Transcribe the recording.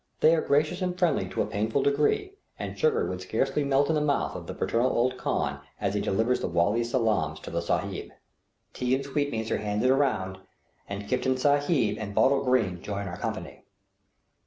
They are gracious and friendly to a painful degree, and sugar would scarcely melt in the mouth of the paternal old khan as he delivers the "Wall's salaams to the Sahib." Tea and sweetmeats are handed around, and Kiftan Sahib and Bottle Green join our company.